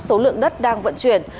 số lượng đất đang vận chuyển